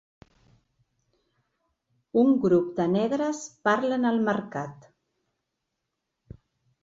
Un grup de negres parlen al mercat.